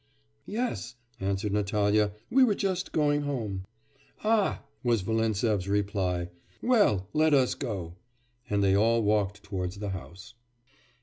'Yes,' answered Natalya, 'we were just going home.' 'Ah!' was Volintsev's reply. 'Well, let us go,' and they all walked towards the house.